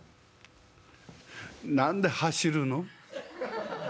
「何で走るの？